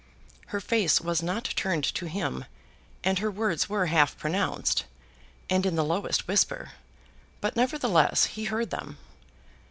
Her face was not turned to him, and her words were half pronounced, and in the lowest whisper, but, nevertheless, he heard them.